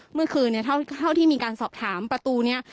เมื่อคืนเนี่ยเท่าเท่าที่มีการสอบถามประตูเนี่ย